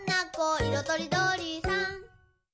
いろとりどりさん」